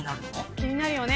気になるよね。